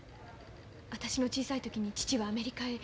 私の小さい時に父はアメリカへ。